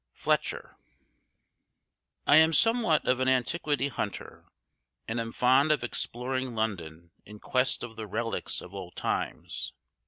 FLETCHER. I AM somewhat of an antiquity hunter, and am fond of exploring London in quest of the relics of old times.